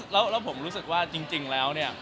แล้วผมรู้สึกว่าจริงแล้วเนี่ย